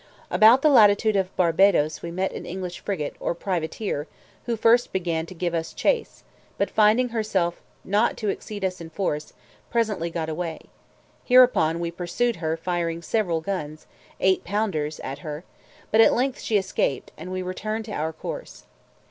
About the latitude of Barbadoes, we met an English frigate, or privateer, who first began to give us chase; but finding herself not to exceed us in force, presently got away: hereupon, we pursued her, firing several guns, eight pounders, at her; but at length she escaped, and we returned to our course.